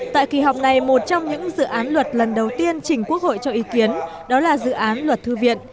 tại kỳ họp này một trong những dự án luật lần đầu tiên chỉnh quốc hội cho ý kiến đó là dự án luật thư viện